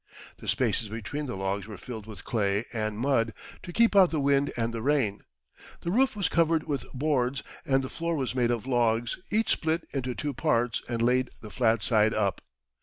The spaces between the logs were filled with clay and mud, to keep out the wind and the rain. The roof was covered with boards, and the floor was made of logs, each split into two parts and laid the flat side up.